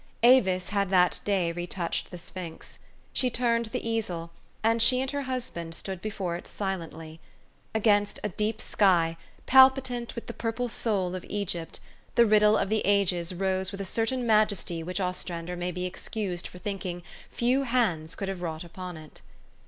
Avis had that day retouched the sphinx. She turned the easel, and she and her husband stood before it silently. Against a deep sky, palpitant with the purple soul of Egypt, the riddle of the ages rose with a certain majesty which Ostrander may be excused for thinking few hands could have wrought upon it.